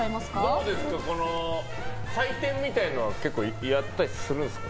どうですか、採点みたいなの結構やったりするんですか。